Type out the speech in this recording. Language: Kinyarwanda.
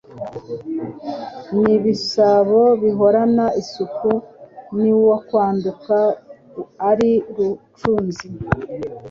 Ni ibisabo bihorana isuku !N' uwakwaduka ari rucunzi